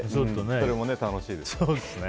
それも楽しいですね。